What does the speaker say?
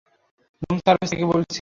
Room service থেকে বলছি।